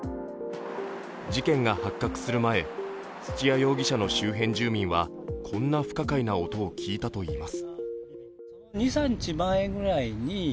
事件が発覚する前土屋容疑者の周辺住民はこんな不可解な音を聞いたといいます。